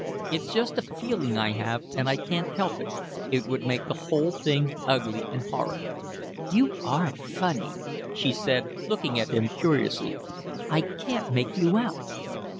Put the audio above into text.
It's just a feeling I have, and I can't help it, it would make the whole thing ugly and horrid." "You are funny," she said, looking at him curiously. "I can't make you out."